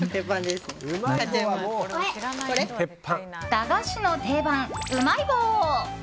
駄菓子の定番、うまい棒！